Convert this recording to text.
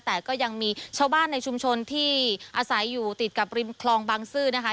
แต่ก็ยังมีชาวบ้านในชุมชนที่อาศัยอยู่ติดกับริมคลองบางซื่อนะคะ